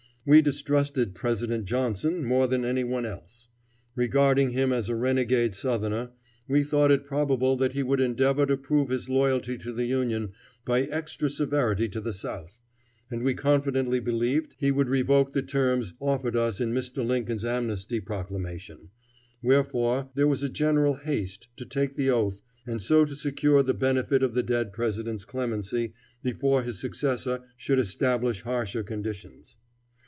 We distrusted President Johnson more than any one else. Regarding him as a renegade Southerner, we thought it probable that he would endeavor to prove his loyalty to the Union by extra severity to the South, and we confidently believed he would revoke the terms offered us in Mr. Lincoln's amnesty proclamation; wherefore there was a general haste to take the oath and so to secure the benefit of the dead president's clemency before his successor should establish harsher conditions.